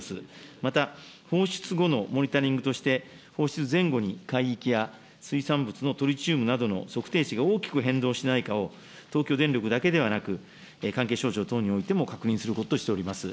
また、放出後のモニタリングとして、放出前後に海域や水産物のトリチウムなどの測定値が大きく変動しないかを、東京電力だけではなく、関係省庁等においても確認することとしております。